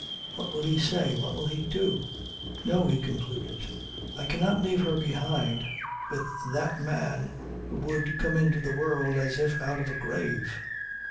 What will he say? What will he do? No, he concluded, I cannot leave her behind with that man who would come into the world as if out of a grave.